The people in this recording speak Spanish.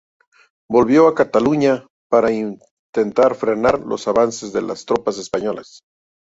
Volvió a Cataluña para intentar frenar los avances de las tropas españolas.